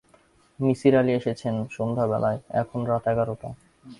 নিসার আলি এসেছেন সন্ধ্যাবেলায়, এখন রাত এগারটা।